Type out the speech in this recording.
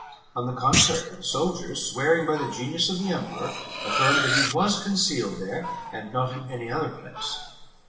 On the contrary, the soldiers, swearing by the Genius of the emperor, affirmed that he was concealed there, and not in any other place.